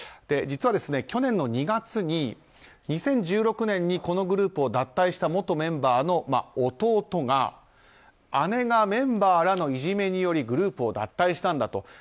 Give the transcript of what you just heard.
実は去年２月に２０１６年にこのグループを脱退した元メンバーの弟が姉がメンバーらのいじめによりグループを脱退したんだと。